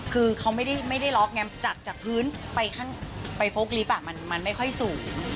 คือเขาไม่ได้ล็อคจากพื้นไปโฟล์คลิปมันไม่ค่อยสูง